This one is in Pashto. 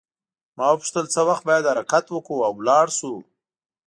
ما وپوښتل څه وخت باید حرکت وکړو او ولاړ شو.